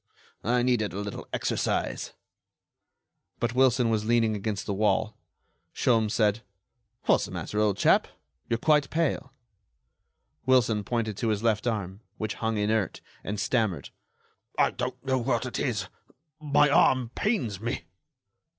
I needed a little exercise." But Wilson was leaning against the wall. Sholmes said: "What's the matter, old chap? You're quite pale." Wilson pointed to his left arm, which hung inert, and stammered: "I don't know what it is. My arm pains me."